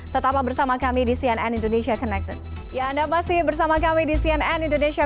tetap bersama kami di cnn indonesia